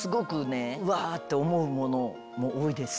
うわ！って思うものも多いです。